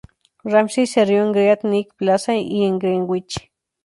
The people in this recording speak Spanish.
Ramsey se crio en Great Neck Plaza y Greenwich.